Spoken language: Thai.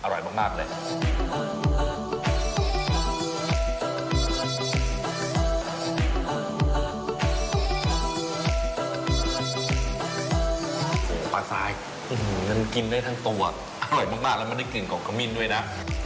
โอ้โหปลาสายมันกินได้ทั้งตัวอร่อยมากแล้วมันได้กลิ่นของขมิ้นด้วยนะ